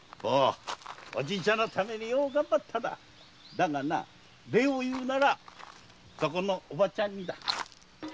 だがな礼を言うならそこのおばちゃんにだ。